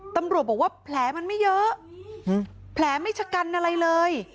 ตำรวจบอกว่าแผลมันไม่เยอะแผลไม่ชะกันอะไรเลย